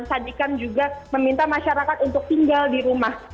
sadikan juga meminta masyarakat untuk tinggal di rumah